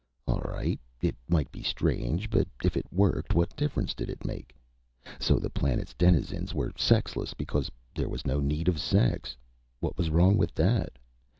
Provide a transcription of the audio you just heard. All right, it might be strange, but if it worked, what difference did it make? So the planet's denizens were sexless because there was no need of sex what was wrong with that?